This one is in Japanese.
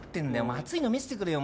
熱いの見せてくれよ